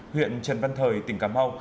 huyện trần văn thời tỉnh cà mau